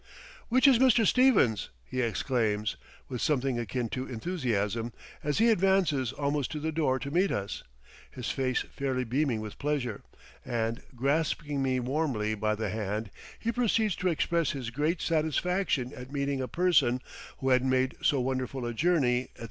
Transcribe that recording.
"Which is Mr. Stevens?" he exclaims, with something akin to enthusiasm, as he advances almost to the door to meet us, his face fairly beaming with pleasure; and, grasping me warmly by the hand, he proceeds to express his great satisfaction at meeting a person, who had "made so wonderful a journey," etc.